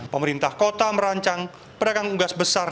pemerintah kota merancang pedagang unggas besar